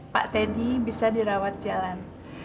pak teddy bisa dirawat jalan